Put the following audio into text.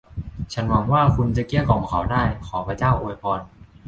ฉันหวังว่าคุณจะเกลี้ยกล่อมเขาได้ ขอพระเจ้าอวยพร